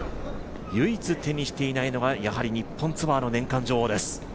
唯一手にしていないのは日本ツアーの年間女王です。